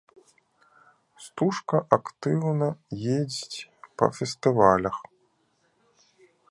Стужка актыўна ездзіць па фестывалях.